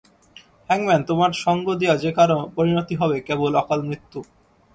হ্যাংম্যান, তোমার সঙ্গ দেয়া যে কারো পরিণতি হবে কেবল অকাল মৃত্যু।